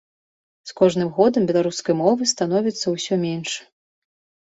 З кожным годам беларускай мовы становіцца ўсё менш.